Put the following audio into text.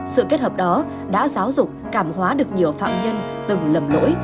sự kết hợp đó đã giáo dục cảm hóa được nhiều phạm nhân từng lầm lỗi